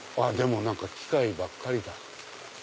何か機械ばっかりだ。